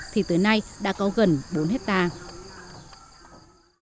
thì tới nay đã có gần bốn hectare